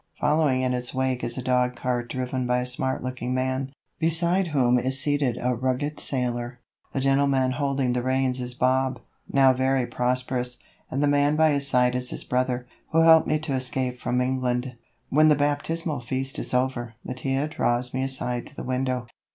Following in its wake is a dog cart driven by a smart looking man, beside whom is seated a rugged sailor. The gentleman holding the reins is Bob, now very prosperous, and the man by his side is his brother, who helped me to escape from England. [Illustration: "LET US NOW PLAY FOR THOSE WE LOVE."] When the baptismal feast is over, Mattia draws me aside to the window.